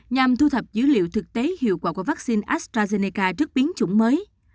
nhằm thu thập dữ liệu thực tế hiệu quả của vaccine astrazeneca trước biến chủng mới